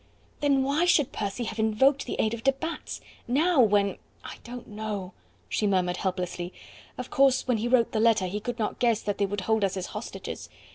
"Then why should Percy have invoked the aid of de Batz? Now, when " "I don't know," she murmured helplessly. "Of course, when he wrote the letter he could not guess that they would hold us as hostages.